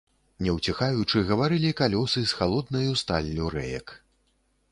Не ўціхаючы, гаварылі калёсы з халоднаю сталлю рэек.